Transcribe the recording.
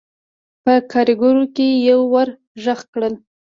په کارېګرو کې يوه ور غږ کړل: